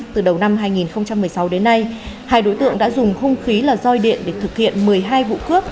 từ đầu năm hai nghìn một mươi sáu đến nay hai đối tượng đã dùng hung khí là roi điện để thực hiện một mươi hai vụ cướp